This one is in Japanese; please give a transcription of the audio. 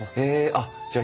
あっじゃあ